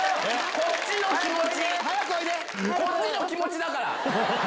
こっちの気持ちだから。